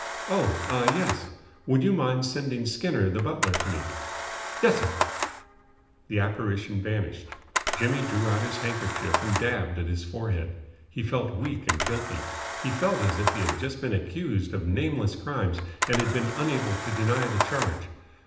"Oh, ah, yes. Would you mind sending Skinner the butler to me." "Y's'r." The apparition vanished. Jimmy drew out his handkerchief and dabbed at his forehead. He felt weak and guilty. He felt as if he had just been accused of nameless crimes and had been unable to deny the charge.